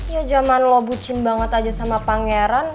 ya zaman lo bucin banget aja sama pangeran